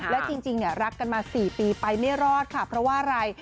และจริงรักกันมา๔ปีไปไม่รอดค่ะเพราะว่าอะไร